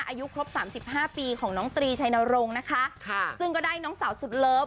อายุครบสามสิบห้าปีของน้องตรีชัยนรงค์นะคะค่ะซึ่งก็ได้น้องสาวสุดเลิฟ